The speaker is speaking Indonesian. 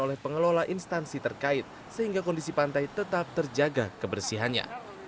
oleh pengelola instansi terkait sehingga kondisi pantai tetap terjaga kebersihannya